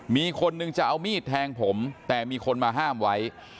มีคนนึงจะเอามีดแทงผมแต่มีคนมาห้ามไว้